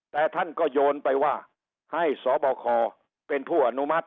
แต่ท่านก็โยนไปว่าให้สบคเป็นผู้อนุมัติ